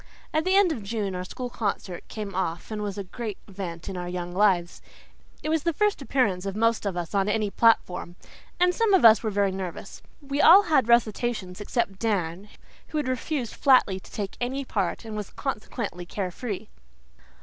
At the end of June our school concert came off and was a great event in our young lives. It was the first appearance of most of us on any platform, and some of us were very nervous. We all had recitations, except Dan, who had refused flatly to take any part and was consequently care free.